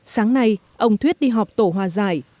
sáng nay ông thuyết đi họp tổ hòa giải